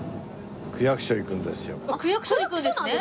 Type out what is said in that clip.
区役所行くんですね。